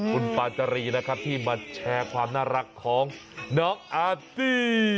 คุณปาจารีนะครับที่มาแชร์ความน่ารักของน้องอาร์ตี้